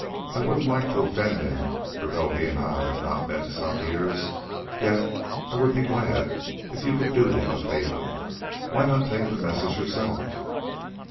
I wouldn't like to offend him, for, though he and I have not met in some years, yet I would be glad if you could do him a favor. Why not take the message yourself?"